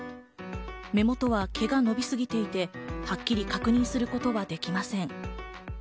目元は毛が伸び過ぎていて、はっきり確認することはできません。